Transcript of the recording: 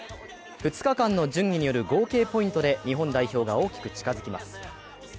２日間の順位による合計ポイントで、日本代表が大きく近づきます。